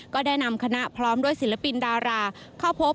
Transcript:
ก็ได้นำคณะพร้อมด้วยศิลปินดาราเข้าพบ